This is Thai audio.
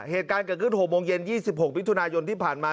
เหตุการณ์เกิดขึ้น๖โมงเย็น๒๖มิถุนายนที่ผ่านมา